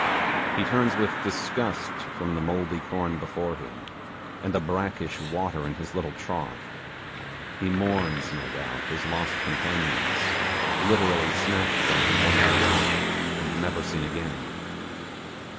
He turns with disgust from the mouldy corn before him, and the brackish water in his little trough. He mourns no doubt his lost companions, literally snatched from him one by one, and never seen again.